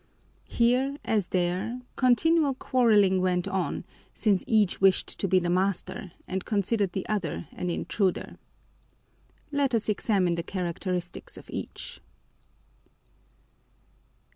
Here, as there, continual quarreling went on, since each wished to be the master and considered the other an intruder. Let us examine the characteristics of each.